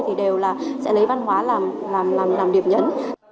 thì đều là sẽ lấy văn hóa làm điểm nhấn